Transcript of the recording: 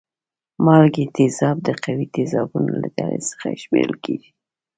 مالګې تیزاب د قوي تیزابونو له ډلې څخه شمیرل کیږي.